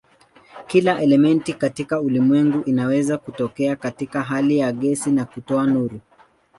Kila elementi katika ulimwengu inaweza kutokea katika hali ya gesi na kutoa nuru.